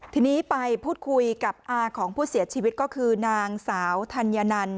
ทีนี้ไปพูดคุยกับอาของผู้เสียชีวิตก็คือนางสาวธัญนัน